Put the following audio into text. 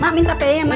mak minta payah mak